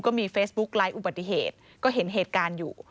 มีเฟซบุ๊คไลค์อุบัติเหตุก็เห็นเหตุการณ์อยู่